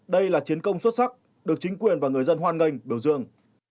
đây là chiến công xuất sắc được chính quyền và người dân hoan nghênh biểu dương